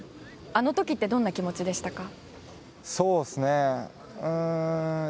あの時ってどんな気持ちでしたか。